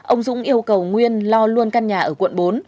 ông dũng yêu cầu nguyên lo luôn căn nhà ở quận bốn